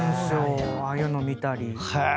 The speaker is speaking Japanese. ああいうの見たり。